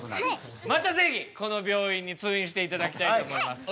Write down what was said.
また是非この病院に通院して頂きたいと思います。